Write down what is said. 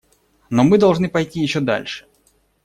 Но мы должны пойти еще дальше.